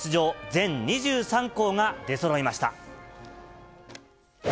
全２３校が出そろいました。